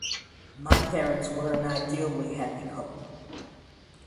My parents were an ideally happy couple.